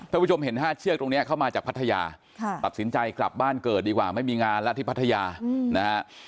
ผู้ชมเห็น๕เชือกตรงนี้เข้ามาจากพัทยาตัดสินใจกลับบ้านเกิดดีกว่าไม่มีงานแล้วที่พัทยานะฮะ